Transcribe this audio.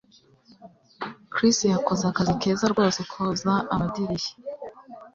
Chris yakoze akazi keza rwose koza amadirishya